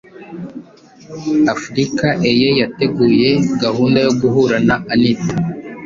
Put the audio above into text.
africa eye yateguye gahunda yo guhura na anita